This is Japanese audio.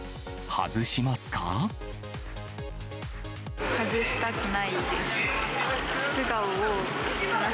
外したくないです。